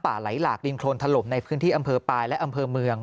ไหลหลากดินโครนถล่มในพื้นที่อำเภอปลายและอำเภอเมือง